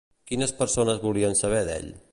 Quines persones volien saber d'ell?